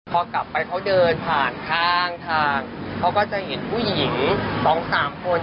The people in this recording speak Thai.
พอกลับไปเขาเดินผ่านข้างทางเขาก็จะเห็นผู้หญิงสองสามคน